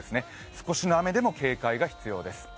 少しの雨でも警戒が必要です。